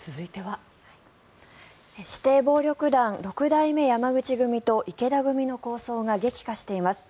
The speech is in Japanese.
指定暴力団六代目山口組と池田組の抗争が激化しています。